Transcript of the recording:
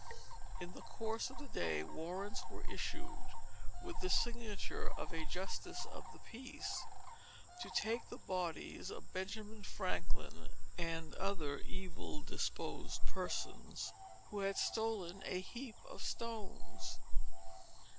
In the course of the day, warrants were issued, with the signature of a Justice of the Peace, to take the bodies of Benjamin Franklin and other evil disposed persons, who had stolen a heap of stones.